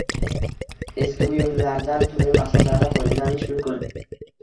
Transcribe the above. Eski buyumlardan turli maqsadlarda foydalanish mumkin